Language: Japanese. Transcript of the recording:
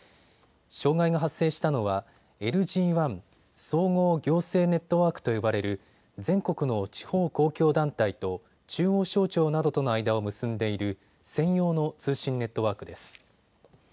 障害が発生したのはＬＧＷＡＮ・総合行政ネットワークと呼ばれる全国の地方公共団体と中央省庁などとの間を結んでいる専用の通信ネットワークです。